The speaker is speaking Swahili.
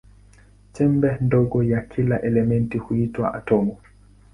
Chembe ndogo ya kila elementi huitwa atomu.